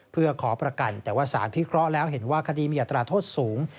เพื่อขอประกันแต่ว่าสารพิเคราะห์แล้วเห็นว่าคดีมีอัตราโทษสูง